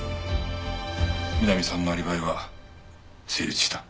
美波さんのアリバイは成立した。